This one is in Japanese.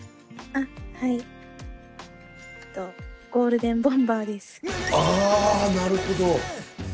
ああなるほど。